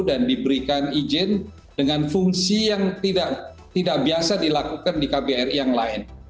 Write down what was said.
dan diberikan izin dengan fungsi yang tidak biasa dilakukan di kbri yang lain